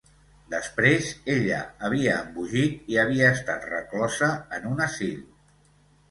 Després ella havia embogit i havia estat reclosa en un asil.